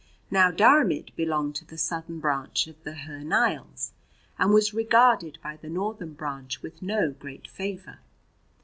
Now Diarmaid belonged to the southern branch of the Hy Nialls and was regarded by the northern branch with no great favour.